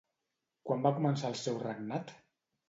Quan va començar el seu regnat?